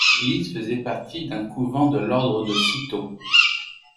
L'église faisait partie d'un couvent de l'ordre de Citeaux.